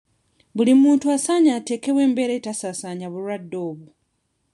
Buli muntu asaanye ateekewo embeera etasaasaanya bulwadde obwo.